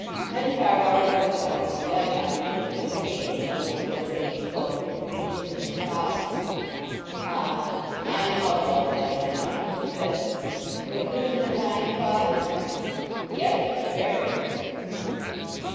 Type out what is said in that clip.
Henchard always looked like one bent on resisting pain when Elizabeth Jane spoke of Richard Newson as "father." "Ah! I am out of all that, am I not?" he said.... "Was Newson a kind father?" "Yes, sir; very."